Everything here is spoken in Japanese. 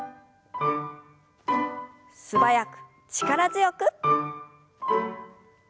素早く力強く。